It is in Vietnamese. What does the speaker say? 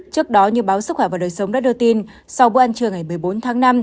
trước đó như báo sức khỏe và đời sống đã đưa tin sau bữa ăn trưa ngày một mươi bốn tháng năm